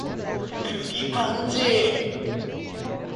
It was the leading Canadian magazine read outside of Canada.